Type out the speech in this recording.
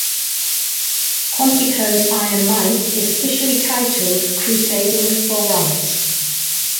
Quantico's Iron Mike is officially titled Crusading for Right.